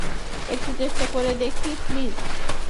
একটু চেষ্টা করে দেখি, প্লিজ।